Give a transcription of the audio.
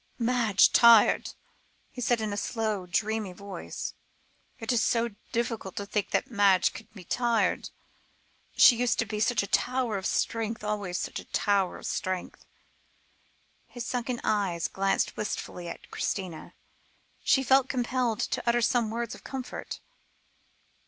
"Madge tired?" he said in a slow, dreamy voice; "it is so difficult to think that Madge can be tired. She used to be such a tower of strength, always such a tower of strength." His sunken eyes glanced wistfully at Christina; she felt compelled to utter some words of comfort.